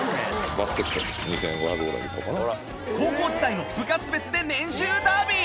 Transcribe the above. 高校時代の部活別で年収ダービー。